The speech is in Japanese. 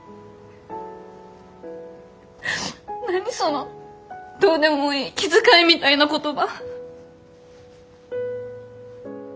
何そのどうでもいい気遣いみたいな言葉。